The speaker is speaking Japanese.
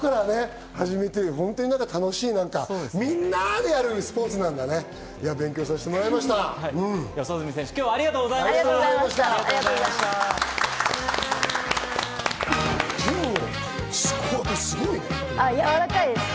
本当に楽しいみんなでやるスポーツなんだね、勉強させてもらいました。